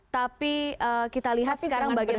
tapi kita lihat sekarang bagaimana